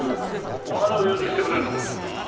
お金を融通してくれるのかな？